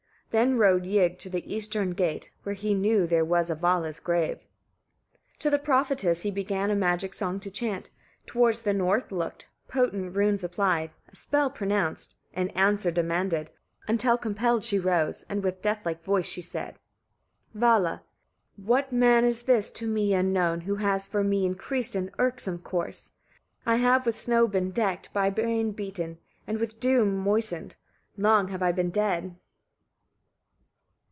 Then rode Ygg to the eastern gate, where he knew there was a Vala's grave. 9. To the prophetess, he began a magic song to chant, towards the north looked, potent runes applied, a spell pronounced, an answer demanded, until compelled she rose, and with deathlike voice she said: Vala. 10. "What man is this, to me unknown, who has for me increased an irksome course? I have with snow been decked, by rain beaten, and with dew moistened: long have I been dead."